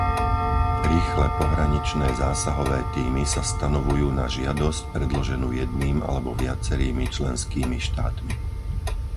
Rýchle pohraničné zásahové tímy sa stanovujú na žiadosť predloženú jedným alebo viacerými členskými štátmi.